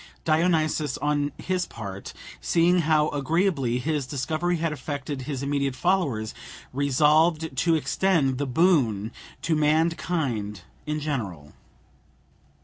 Dionysus, on his part, seeing how agreeably his discovery had affected his immediate followers, resolved to extend the boon to mankind in general.